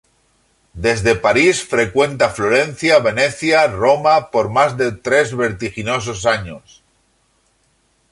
Desde París frecuenta Florencia, Venecia, Roma por más de tres vertiginosos años.